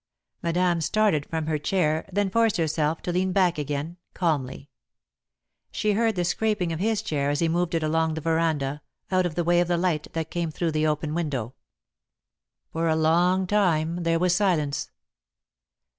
Madame started from her chair, then forced herself to lean back again, calmly. She heard the scraping of his chair as he moved it along the veranda, out of the way of the light that came through the open window. For a long time there was silence.